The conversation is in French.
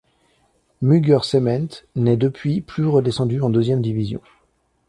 Muger Cement n'est depuis plus redescendu en deuxième division.